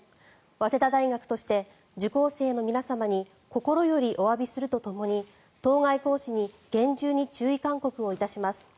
早稲田大学として受講生の皆様に心よりおわびするとともに当該講師に厳重に注意勧告をいたします。